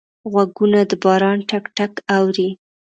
غوږونه د باران ټک ټک اوري